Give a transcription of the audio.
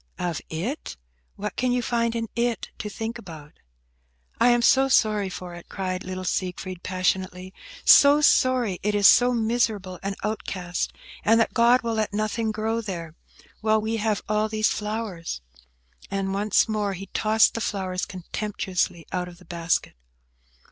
"Of it?" What can you find in it to think about?" "I am so sorry for it!" cried little Siegfried, passionately; "so sorry it is so miserable and outcast, and that God will let nothing grow there, while we have all these flowers!" And once more he tossed the flowers contemptuously out of the basket.